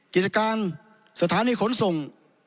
กิจการสถานีขนส่ง